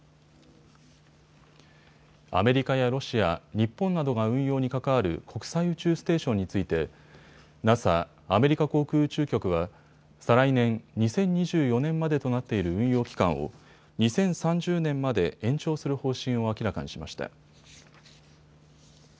アメリカやロシア、日本などが運用に関わる国際宇宙ステーションについてＮＡＳＡ・アメリカ航空宇宙局は再来年、２０２４年までとなっている運用期間を２０３０年まで延長する方針を明らかにしました。